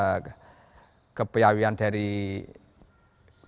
sehingga dia dari perantauan dari seluruh indonesia